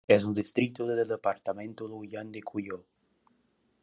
Es un distrito del departamento Luján de Cuyo.